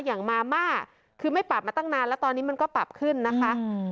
อย่างมาม่าคือไม่ปรับมาตั้งนานแล้วตอนนี้มันก็ปรับขึ้นนะคะ